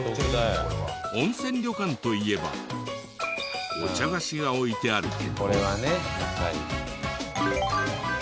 温泉旅館といえばお茶菓子が置いてあるけど。